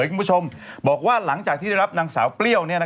คุณผู้ชมบอกว่าหลังจากที่ได้รับนางสาวเปรี้ยว